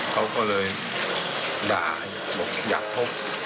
เขาก็เลยด่าบอกอยากชก